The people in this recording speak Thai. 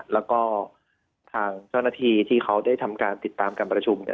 แล้วก็ทางเจ้าหน้าที่ที่เขาได้ทำการติดตามการประชุมเนี่ย